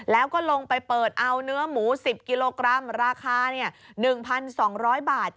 แล้วก็ลงไปเปิดเอาเนื้อหมู๑๐กิโลกรัมราคา๑๒๐๐บาท